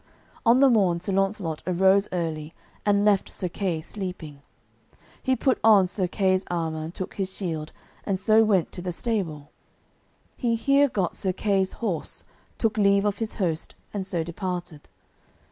On the morn Sir Launcelot arose early, and left Sir Kay sleeping. He put on Sir Kay's armour and took his shield, and so went to the stable. He here got Sir Kay's horse, took leave of his host, and so departed.